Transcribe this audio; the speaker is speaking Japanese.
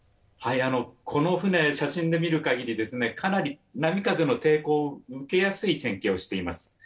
この船、写真で見る限り、かなり波・風の抵抗を受けやすい船形をしています。